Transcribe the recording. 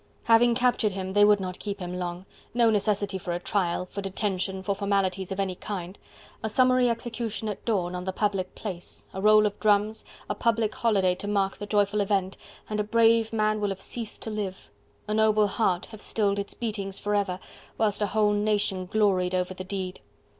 Having captured him, they would not keep him long; no necessity for a trial, for detention, for formalities of any kind. A summary execution at dawn on the public place, a roll of drums, a public holiday to mark the joyful event, and a brave man will have ceased to live, a noble heart have stilled its beatings forever, whilst a whole nation gloried over the deed.